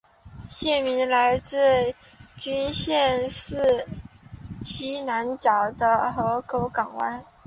县名来自该郡西南角的一个河口港湾。